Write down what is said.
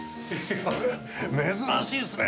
珍しいですね。